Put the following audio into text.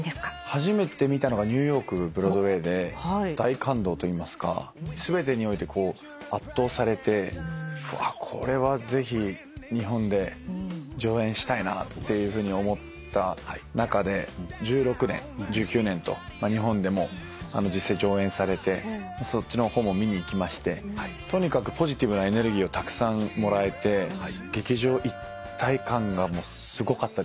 初めて見たのがニューヨークブロードウェイで大感動といいますか全てにおいて圧倒されてこれはぜひ日本で上演したいなっていうふうに思った中で１６年１９年と日本でも実際上演されてそっちの方も見に行きましてとにかくポジティブなエネルギーをたくさんもらえて劇場一体感がすごかったですね。